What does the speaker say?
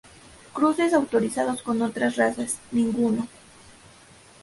Cruces autorizados con otras razas: ninguno.